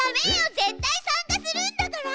絶対参加するんだから。